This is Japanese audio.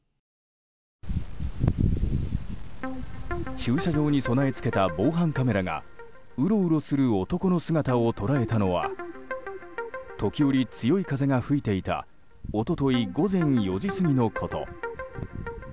駐車場に備え付けた防犯カメラがうろうろする男の姿を捉えたのは時折、強い風が吹いていた一昨日午前４時過ぎのこと。